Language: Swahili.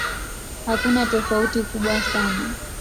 Hakuna tofauti kubwa sana.